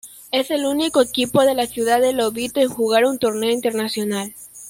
Es el único equipo de la ciudad de Lobito en jugar un torneo internacional.